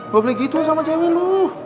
ga boleh gitu sama cewe lu